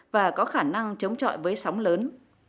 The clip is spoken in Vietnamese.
và có khả năng chống trọi với sóng lớn